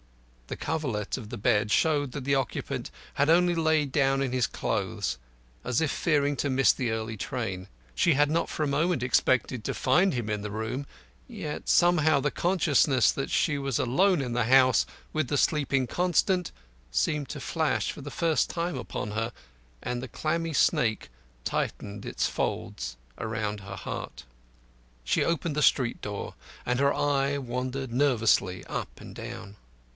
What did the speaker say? The coverlet of the bed showed that the occupant had only lain down in his clothes, as if fearing to miss the early train. She had not for a moment expected to find him in the room; yet somehow the consciousness that she was alone in the house with the sleeping Constant seemed to flash for the first time upon her, and the clammy snake tightened its folds round her heart. She opened the street door, and her eye wandered nervously up and down.